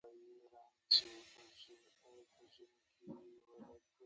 بيا د ساز له درېدو سره د يوه ټوپکوال مخې ته کښېناست.